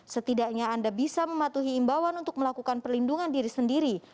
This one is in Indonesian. setidaknya anda bisa mematuhi imbauan untuk melakukan perlindungan diri sendiri